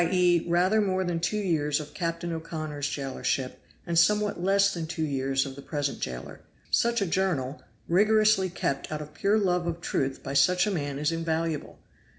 e., rather more than two years of Captain O'Connor's jailership, and somewhat less than two years of the present jailer. Such a journal, rigorously kept out of pure love of truth by such a man is invaluable.